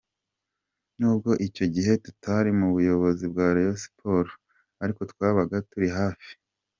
Nubwo icyo gihe tutari mu buyobozi bwa Rayon Sports, ariko twabaga turi hafi.